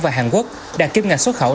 và hàn quốc đã kiếm ngành xuất khẩu